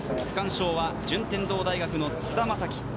区間賞は順天堂大学の津田将希。